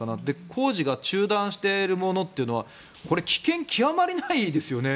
工事が中断しているものというのはこれ、危険極まりないですよね